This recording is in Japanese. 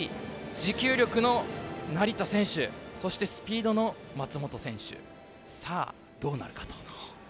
持久力の強い成田選手、そして、スピードの松本選手、どうなるか。